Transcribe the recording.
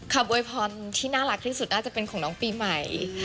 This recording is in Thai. โวยพรที่น่ารักที่สุดน่าจะเป็นของน้องปีใหม่